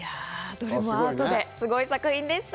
どれもアートですごい作品でした。